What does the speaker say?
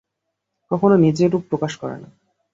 কখনো নিজের রূপ প্রকাশ করে না।